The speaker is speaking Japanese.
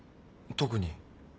特に。